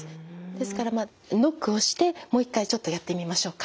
ですからまあノックをしてもう一回ちょっとやってみましょうか。